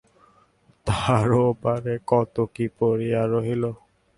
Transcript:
তাহার ওপারে কত কি পড়িয়া রহিল।